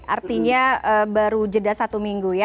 artinya baru jeda satu minggu ya